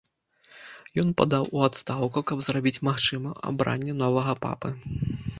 Ён падаў у адстаўку, каб зрабіць магчымым абранне новага папы.